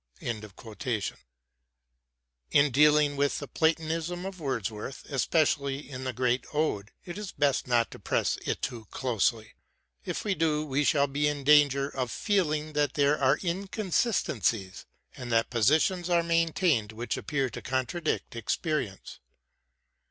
* In dealing with the Platonism of Wordsworth, especially in the great Ode, it is best not to press it too closely ; if we do, we shall be in danger of feeling that there are inconsistencies, and that positions are maintained which appear to contradict experience.